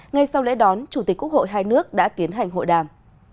ngay sau lễ đón chủ tịch quốc hội hai nước đã tiến hành hội đàm